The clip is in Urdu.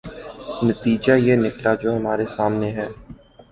نتیجہ یہ نکلا جو ہمارے سامنے ہے۔